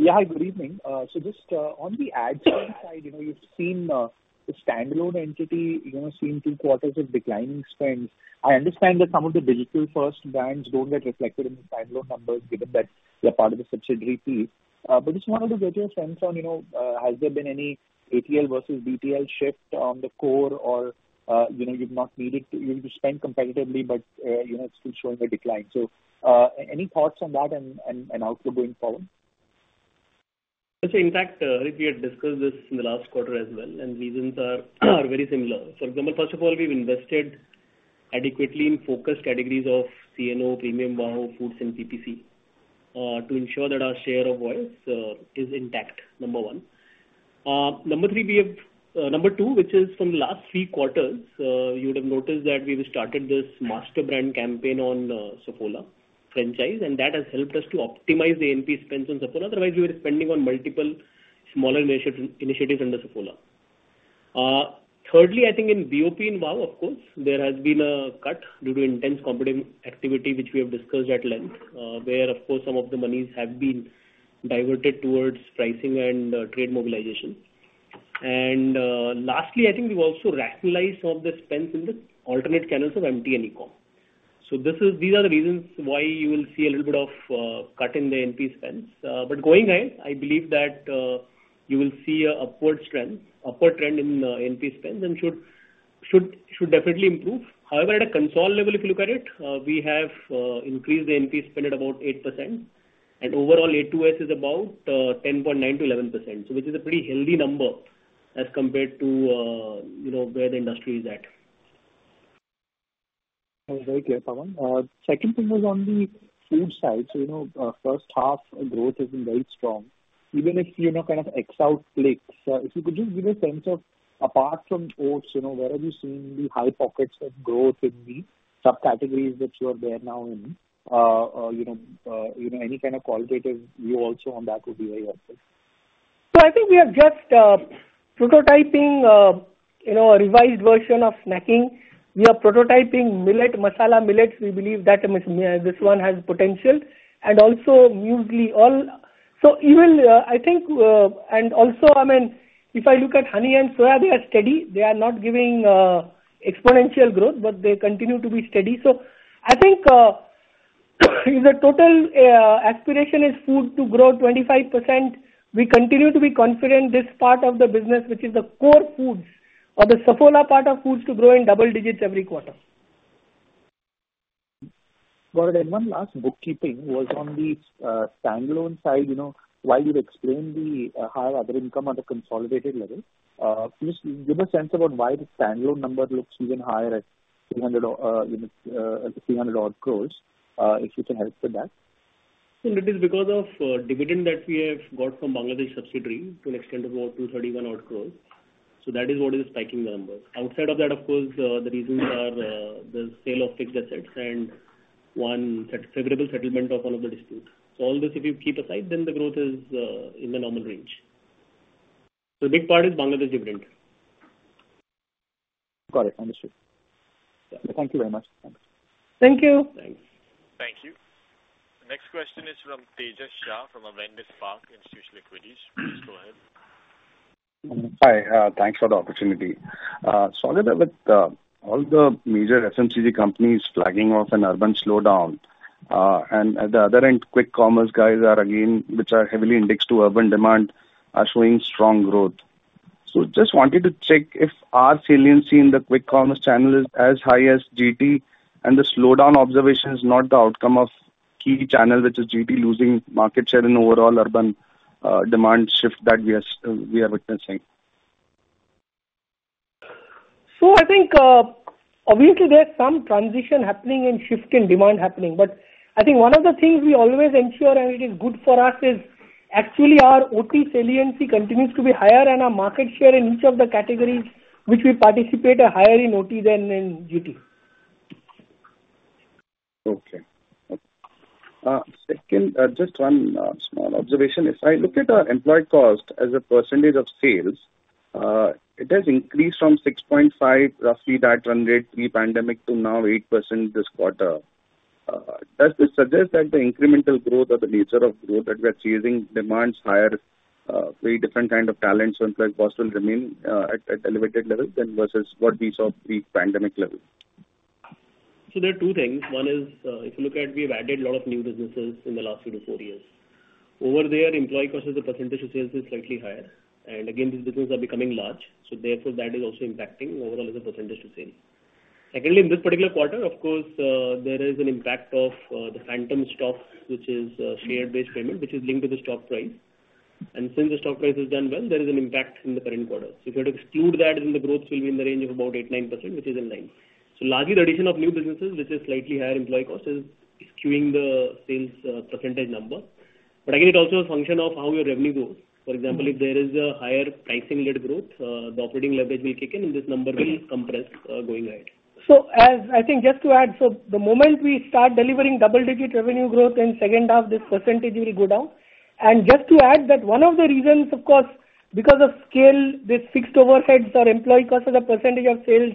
Yeah, hi, good evening. So just on the ad side, you've seen the standalone entity seeing two quarters of declining spend. I understand that some of the digital-first brands don't get reflected in the standalone numbers given that they're part of the subsidiary piece. But just wanted to get your sense on, has there been any ATL versus BTL shift on the core or you've not needed to spend competitively, but it's still showing a decline? So any thoughts on that and how to going forward? Let's say, in fact, Harit, we had discussed this in the last quarter as well, and reasons are very similar. For example, first of all, we've invested adequately in focused categories of CNO, Premium VAHO, Foods, and PPC to ensure that our share of voice is intact, number one. Number two, which is from the last three quarters, you would have noticed that we've started this master brand campaign on Saffola franchise, and that has helped us to optimize the A&P spends on Saffola. Otherwise, we were spending on multiple smaller initiatives under Saffola. Thirdly, I think in BoP in VAHO, of course, there has been a cut due to intense competitive activity, which we have discussed at length, where, of course, some of the monies have been diverted towards pricing and trade mobilization. And lastly, I think we've also rationalized some of the spends in the alternate channels of MT and e-com. So these are the reasons why you will see a little bit of cut in the A&P spends. But going ahead, I believe that you will see an upward trend in A&P spends and should definitely improve. However, at a consolidated level, if you look at it, we have increased the A&P spend at about 8%. And overall, A-to-S is about 10.9%-11%, which is a pretty healthy number as compared to where the industry is at. Very clear, Pawan. Second thing was on the food side. So first half, growth has been very strong. Even if you're kind of X out Plix, if you could just give a sense of, apart from oats, where have you seen the high pockets of growth in the subcategories that you are there now in? Any kind of qualitative view also on that would be very helpful. I think we are just prototyping a revised version of snacking. We are prototyping millet, Masala Millets. We believe that this one has potential. And also, muesli, all. I think, and also, I mean, if I look at honey and soya, they are steady. They are not giving exponential growth, but they continue to be steady. I think the total aspiration is food to grow 25%. We continue to be confident this part of the business, which is the core foods, or the Saffola part of foods to grow in double digits every quarter. Got it. And one last bookkeeping was on the standalone side. While you explained the higher other income at a consolidated level, just give a sense about why the standalone number looks even higher at 300 odd crores. If you can help with that? Well, it is because of dividend that we have got from Bangladesh subsidiary to an extent of about 231 odd crores. So that is what is spiking the numbers. Outside of that, of course, the reasons are the sale of fixed assets and one favorable settlement of one of the disputes. So all this, if you keep aside, then the growth is in the normal range. So the big part is Bangladesh dividend. Got it. Understood. Thank you very much. Thanks. Thank you. Thanks. Thank you. The next question is from Tejas Shah from Avendus Spark Institutional Equities. Please go ahead. Hi. Thanks for the opportunity. Saugata, with all the major FMCG companies flagging off an urban slowdown, and at the other end, Quick Commerce guys are, again, which are heavily indexed to urban demand, are showing strong growth. So just wanted to check if our saliency in the Quick Commerce channel is as high as GT, and the slowdown observation is not the outcome of key channel, which is GT losing market share in overall urban demand shift that we are witnessing. So I think, obviously, there's some transition happening and shift in demand happening. But I think one of the things we always ensure, and it is good for us, is actually our OT saliency continues to be higher, and our market share in each of the categories which we participate are higher in OT than in GT. Okay. Okay. Second, just one small observation. If I look at our employee cost as a percentage of sales, it has increased from 6.5%, roughly that run rate pre-pandemic to now 8% this quarter. Does this suggest that the incremental growth or the nature of growth that we are seeing demands higher very different kind of talents, employee cost will remain at elevated levels versus what we saw pre-pandemic level? There are two things. One is, if you look at, we have added a lot of new businesses in the last three to four years. Over there, employee cost is a percentage of sales is slightly higher. And again, these businesses are becoming large. So therefore, that is also impacting overall as a percentage of sales. Secondly, in this particular quarter, of course, there is an impact of the phantom stock, which is share-based payment, which is linked to the stock price. And since the stock price has done well, there is an impact in the current quarter. So if you had to exclude that, then the growth will be in the range of about 8%-9%, which is in line. So largely, the addition of new businesses, which is slightly higher employee cost, is skewing the sales percentage number. But again, it also is a function of how your revenue grows. For example, if there is a higher pricing-led growth, the operating leverage will kick in, and this number will compress going ahead. So I think just to add, so the moment we start delivering double-digit revenue growth in the second half, this percentage will go down. And just to add that one of the reasons, of course, because of scale, this fixed overheads or employee cost as a percentage of sales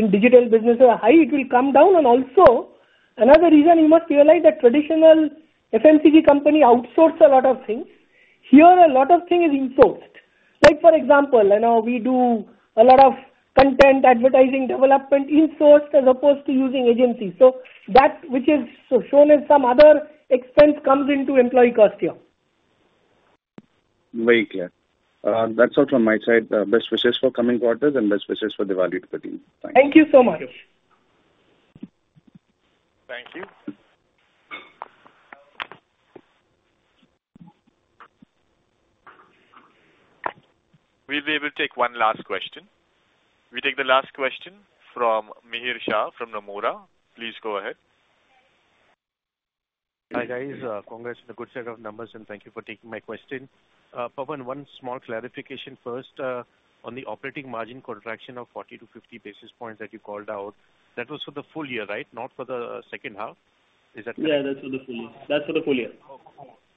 in digital businesses are high, it will come down. And also, another reason you must realize that traditional FMCG company outsource a lot of things. Here, a lot of things are insourced. Like, for example, we do a lot of content advertising development insourced as opposed to using agencies. So that, which is shown as some other expense, comes into employee cost here. Very clear. That's all from my side. Best wishes for coming quarters and best wishes for Diwali to the team. Thank you. Thank you so much. Thank you. We'll be able to take one last question. We take the last question from Mihir Shah from Nomura. Please go ahead. Hi guys. Congrats on a good set of numbers, and thank you for taking my question. Pawan, one small clarification first on the operating margin contraction of 40-50 basis points that you called out. That was for the full year, right? Not for the second half? Yeah, that's for the full year. That's for the full year.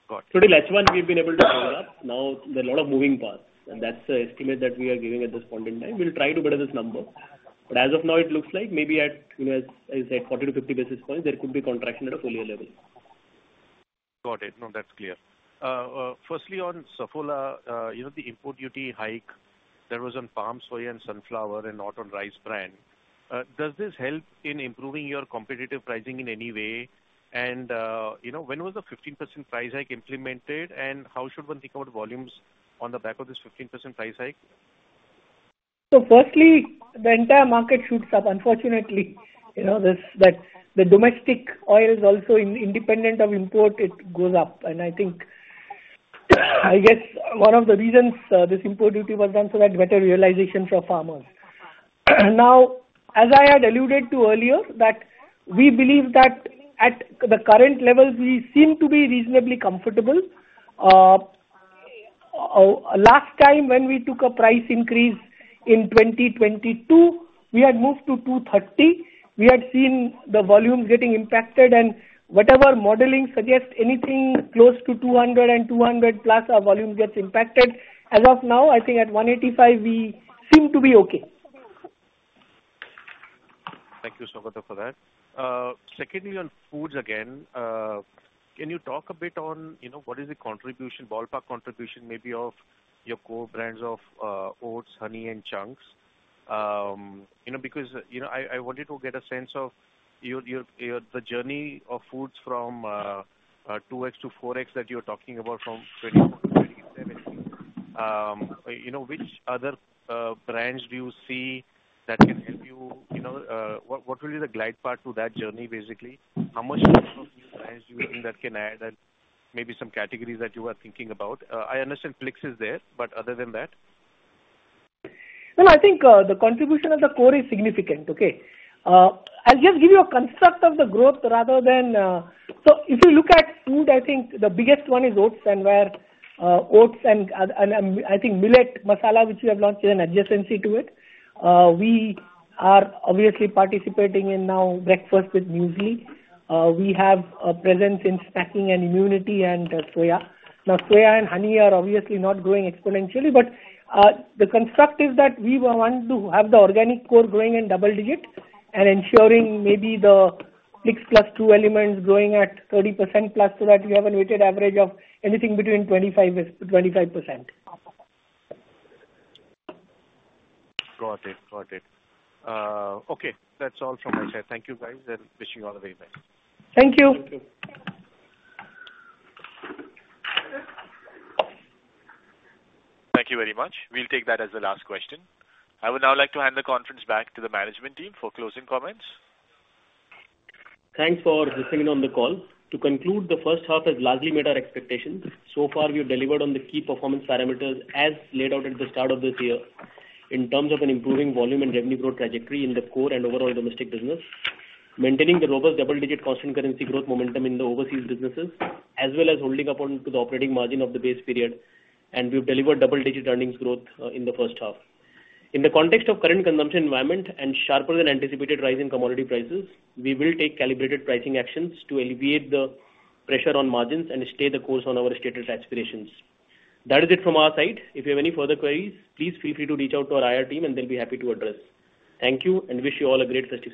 Got it. Today, last one, we've been able to cover that. Now, there's a lot of moving parts. And that's the estimate that we are giving at this point in time. We'll try to better this number. But as of now, it looks like maybe at, as I said, 40-50 basis points, there could be contraction at a full year level. Got it. No, that's clear. Firstly, on Saffola, the import duty hike that was on palm, soya, and sunflower, and not on rice bran, does this help in improving your competitive pricing in any way? And when was the 15% price hike implemented, and how should one think about volumes on the back of this 15% price hike? So firstly, the entire market shoots up, unfortunately. The domestic oil is also independent of import. It goes up. And I guess one of the reasons this import duty was done so that better realization for farmers. Now, as I had alluded to earlier, that we believe that at the current level, we seem to be reasonably comfortable. Last time when we took a price increase in 2022, we had moved to 230. We had seen the volumes getting impacted, and whatever modeling suggests, anything close to 200 and 200 plus our volume gets impacted. As of now, I think at 185, we seem to be okay. Thank you, Saugata, for that. Secondly, on foods again, can you talk a bit on what is the contribution, ballpark contribution maybe of your core brands of oats, honey, and soya chunks? Because I wanted to get a sense of the journey of foods from 2X to 4X that you're talking about from 2024 to 2027. Which other brands do you see that can help you? What will be the glide path to that journey, basically? How much of new brands do you think that can add and maybe some categories that you are thinking about? I understand Plix is there, but other than that? I think the contribution of the core is significant. Okay. I'll just give you a construct of the growth rather than. So if you look at food, I think the biggest one is oats and where oats and I think millet masala, which we have launched in adjacency to it. We are obviously participating now in breakfast with muesli. We have a presence in snacking and immunity and soya. Now, soya and honey are obviously not growing exponentially, but the construct is that we want to have the organic core growing in double digit and ensuring maybe the Plix plus True Elements growing at 30% plus so that we have a weighted average of anything between 25%. Got it. Got it. Okay. That's all from my side. Thank you, guys, and wishing you all a very nice day. Thank you. Thank you. Thank you very much. We'll take that as the last question. I would now like to hand the conference back to the management team for closing comments. Thanks for listening in on the call. To conclude, the first half has largely met our expectations. So far, we have delivered on the key performance parameters as laid out at the start of this year in terms of an improving volume and revenue growth trajectory in the core and overall domestic business, maintaining the robust double-digit constant currency growth momentum in the overseas businesses, as well as holding up onto the operating margin of the base period. And we've delivered double-digit earnings growth in the first half. In the context of current consumption environment and sharper than anticipated rise in commodity prices, we will take calibrated pricing actions to alleviate the pressure on margins and stay the course on our stated aspirations. That is it from our side. If you have any further queries, please feel free to reach out to our IR team, and they'll be happy to address. Thank you and wish you all a great success.